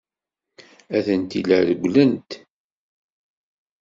Atenti la rewwlent.